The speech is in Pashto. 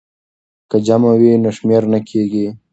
که جمع وي نو شمېر نه کمیږي.